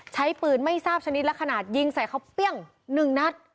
ใช้ปืนไม่ทราบชนิดและขนาดยิงใส่เขาเปรี้ยงหนึ่งนัด